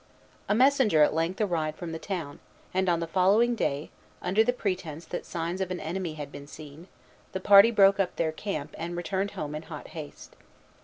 A messenger at length arrived from the town; and on the following day, under the pretence that signs of an enemy had been seen, the party broke up their camp, and returned home in hot haste.